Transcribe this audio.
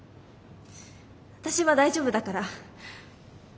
私は大丈夫だから。